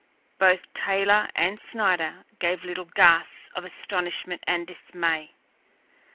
Both Taylor and Snider gave little gasps of astonishment and dismay.